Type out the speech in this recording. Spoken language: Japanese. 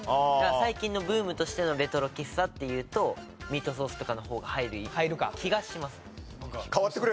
最近のブームとしてのレトロ喫茶っていうとミートソースとかの方が入る気がします。